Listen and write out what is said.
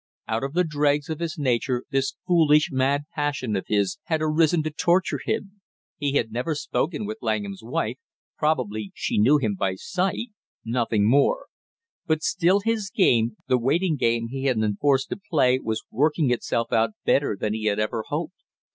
Out of the dregs of his nature this foolish mad passion of his had arisen to torture him; he had never spoken with Langham's wife, probably she knew him by sight, nothing more; but still his game, the waiting game he had been forced to play, was working itself out better than he had even hoped!